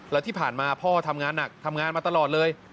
และที่ผ่านมาพ่อทำงานหนักทำงานมาตลอดเลย